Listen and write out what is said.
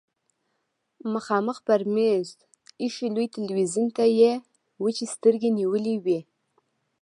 مخامخ پر مېز ايښي لوی تلويزيون ته يې وچې سترګې نيولې وې.